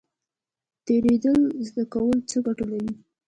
تیریدل زده کول څه ګټه لري؟